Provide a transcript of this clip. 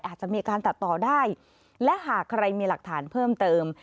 อาจจะมีการตัดต่อได้และหากใครมีหลักฐานเพิ่มเติม